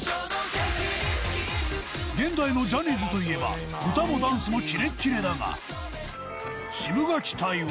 現代のジャニーズといえば歌もダンスもキレッキレだがシブがき隊は。